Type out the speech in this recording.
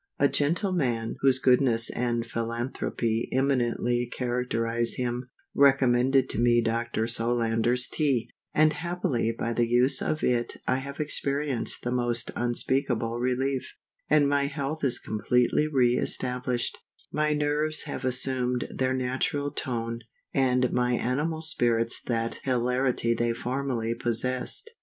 A gentleman, whose goodness and philanthropy eminently characterise him, recommended to me Dr. Solander's Tea, and happily by the use of it I have experienced the most unspeakable relief, and my health is completely re established, my nerves have assumed their natural tone, and my animal spirits that hilarity they formerly possessed.